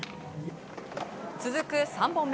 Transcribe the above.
続く３本目。